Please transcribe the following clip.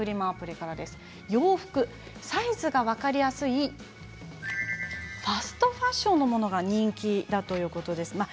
アプリから洋服、サイズが分かりやすいファストファッションのものが人気だということです。